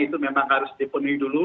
itu memang harus dipenuhi dulu